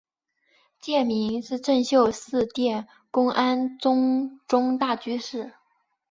戒名是政秀寺殿功庵宗忠大居士。